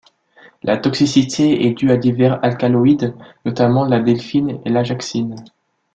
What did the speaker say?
La toxicité est due à divers alcaloïdes, notamment la delphinine et l'ajacine.